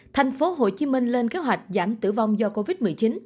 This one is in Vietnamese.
thành phố hồ chí minh lên kế hoạch giảm tử vong do covid một mươi chín